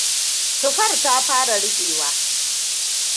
Tuffar ta fara ruɓewa.